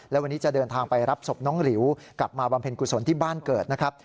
และวันนี้จะเดินทางไปรับศพน้องหลิวกลับมาบำเพ็ญกุศลที่บ้านเกิดนะครับ